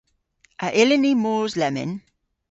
A yllyn ni mos lemmyn?